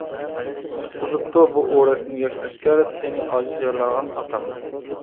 قۇتقۇزۇپتۇ بۇ ئورەكتىن ياش ئەسكەر، تېنى ئاجىز يارىلانغان ئاتامنى.